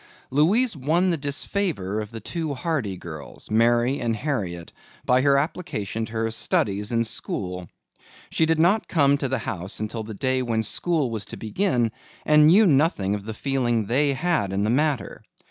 Louise won the disfavor of the two Hardy girls, Mary and Harriet, by her application to her studies in school. She did not come to the house until the day when school was to begin and knew nothing of the feeling they had in the matter.